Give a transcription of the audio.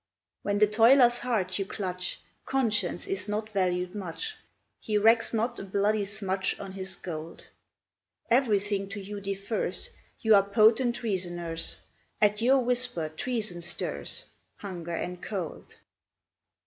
When the toiler's heart you clutch, Conscience is not valued much, He recks not a bloody smutch On his gold: Everything to you defers, You are potent reasoners, At your whisper Treason stirs, Hunger and Cold!